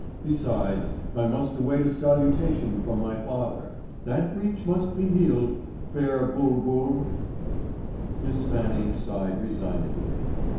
Besides, I must await a salutation from my father. That breach must be healed, fair bul bul." Miss Fannie sighed resignedly.